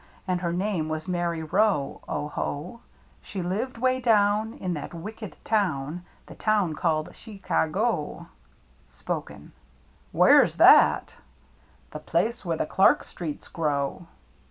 And her name was Mary Rowe, O ho ! ^She lived way down In that wick ed town, 93 94 THE MERRT ANNE The town called She caw go. (Spoken) WHERE'S THAT? The place where the Clark streets grow.